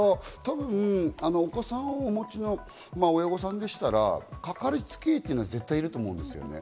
お子さんをお持ちの親御さんでしたら、かかりつけ医は絶対いると思うんですよね。